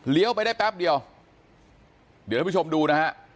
ไปได้แป๊บเดียวเดี๋ยวท่านผู้ชมดูนะฮะ